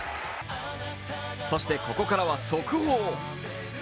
そしてここからは速報。